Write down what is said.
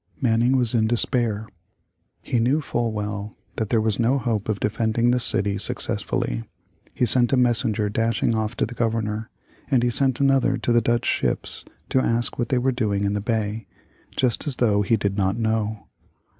Manning was in despair. He knew full well that there was no hope of defending the city successfully. He sent a messenger dashing off to the Governor, and he sent another to the Dutch ships to ask what they were doing in the bay, just as though he did not know.